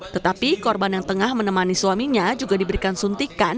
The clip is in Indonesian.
tetapi korban yang tengah menemani suaminya juga diberikan suntikan